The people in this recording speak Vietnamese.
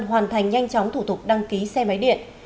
hoàn thành nhanh chóng thủ tục đăng ký xe máy điện